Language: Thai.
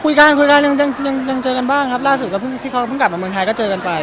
คุยกันคุยกันยังเจอกันบ้างครับล่าสุดก็เพิ่งที่เขาเพิ่งกลับมาเมืองไทยก็เจอกันไป